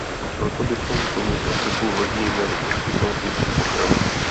Proto bychom tomuto typu lodí měli poskytnout větší ochranu.